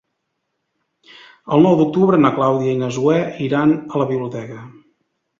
El nou d'octubre na Clàudia i na Zoè iran a la biblioteca.